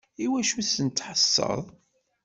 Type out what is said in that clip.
Iwacu i sent-tḥesseḍ?